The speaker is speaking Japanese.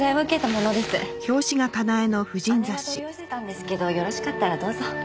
姉が取り寄せたんですけどよろしかったらどうぞ。